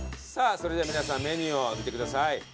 さあそれでは皆さんメニューを開けてください。